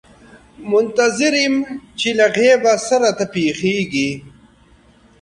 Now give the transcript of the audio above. منتظر یم چې له غیبه څه راته پېښېږي.